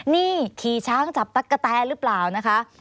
นี่ขี่ช้างจับตั๊กกะแตหรือเปล่านะคะ